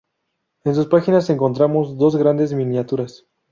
En sus páginas encontramos dos grandes miniaturas.